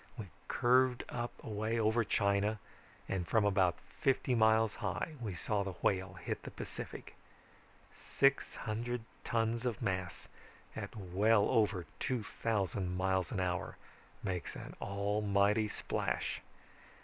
We curved away up over China and from about fifty miles high we saw the Whale hit the Pacific. Six hundred tons of mass at well over two thousand miles an hour make an almighty splash.